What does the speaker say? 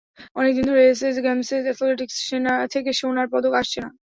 অনেক দিন ধরে এসএ গেমসে অ্যাথলেটিকস থেকে সোনার পদক আসছে না।